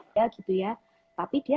ya gitu ya tapi dia